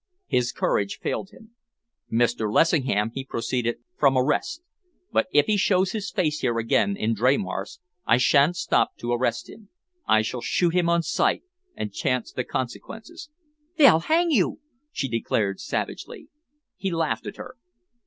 His courage failed him. "Mr. Lessingham," he proceeded, "from arrest. But if he shows his face here again in Dreymarsh, I sha'n't stop to arrest him. I shall shoot him on sight and chance the consequences." "They'll hang you!" she declared savagely. He laughed at her.